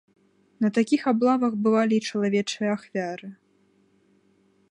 На такіх аблавах бывалі і чалавечыя ахвяры.